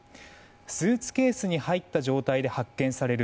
スーツケースに入った状態で発見される